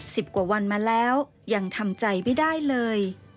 สิบกว่าวันมาแล้วยังทำใจไม่ได้เลย